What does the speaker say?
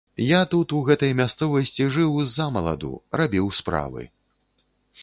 Я тут, у гэтай мясцовасці, жыў ззамаладу, рабіў справы.